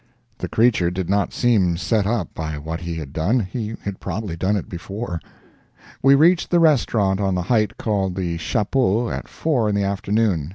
The creature did not seem set up by what he had done; he had probably done it before. We reached the restaurant on the height called the Chapeau at four in the afternoon.